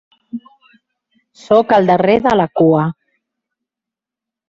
Soc el darrer de la cua.